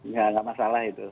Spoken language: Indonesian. ya enggak masalah itu